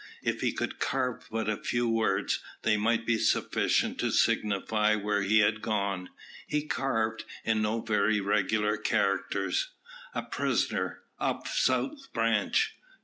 If he could carve but a few words, they might be sufficient to signify where he had gone. He carved, in no very regular characters, "A prisoner, up south branch.